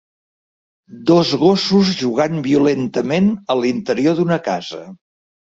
Dos gossos jugant violentament a l'interior d'una casa.